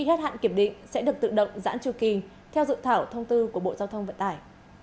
hết hạn kiểm định sẽ được tự động giãn tru kỳ theo dự thảo thông tư của bộ giao thông vận tải